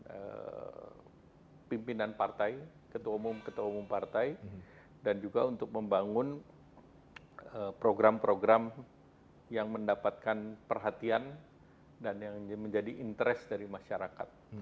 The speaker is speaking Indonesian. kepada pimpinan partai ketua umum ketua umum partai dan juga untuk membangun program program yang mendapatkan perhatian dan yang menjadi interest dari masyarakat